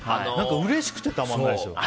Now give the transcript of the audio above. うれしくてたまらないですよ。